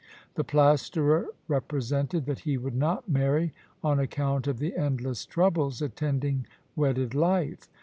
The plasterer represente'd that he would not marry on account of the endless troubles attending wedded life.